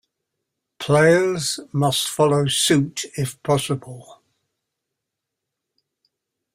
Players must follow suit if possible.